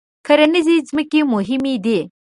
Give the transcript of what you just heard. کرنیزې ځمکې مهمې دي.